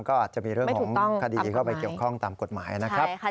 ก็อาจจะมีเรื่องของคดีเข้าไปเกี่ยวข้องตามกฎหมายนะครับ